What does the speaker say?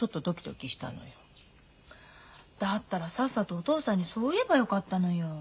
だったらさっさとお父さんにそう言えばよかったのよ。